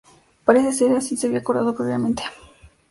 Parece ser que así se había acordado previamente.